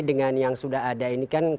dengan yang sudah ada ini kan